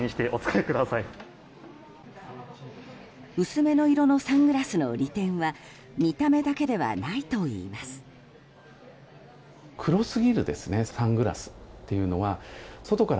薄めの色のサングラスの利点は見た目だけではないといいます。